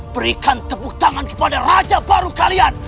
berikan tepuk tangan kepada raja baru kalian